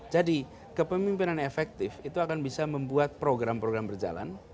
jadi kepemimpinan efektif itu akan bisa membuat program program berjalan